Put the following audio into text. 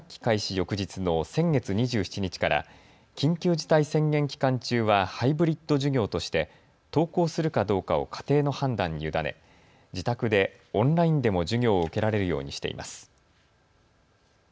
翌日の先月２７日から緊急事態宣言期間中はハイブリッド授業として登校するかどうかを家庭の判断に委ね自宅でオンラインでも授業を受けられるようにしています。